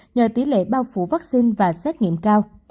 nhờ tỷ lệ bao phủ vaccine và xét nghiệm cao